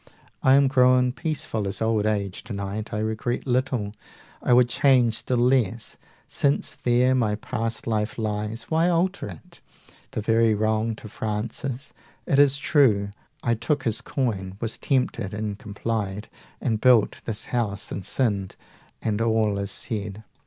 I am grown peaceful as old age tonight. I regret little, I would change still less. 245 Since there my past life lies, why alter it? The very wrong to Francis! it is true I took his coin, was tempted and complied, And built this house and sinned, and all is said.